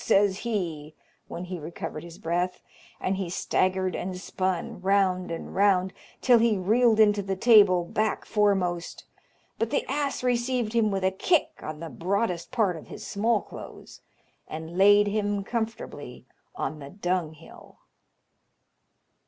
says he, when he recovered his breath; and he staggered and spun round and round till he reeled into the stable, back foremost, but the ass received him with a kick on the broadest part of his small clothes, and laid him comfortably on the dunghill.